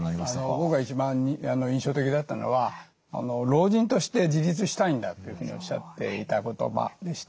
僕が一番印象的だったのは老人として自立したいんだというふうにおっしゃっていた言葉でした。